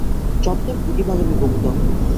চত্বর দুটি ভাগে বিভক্ত।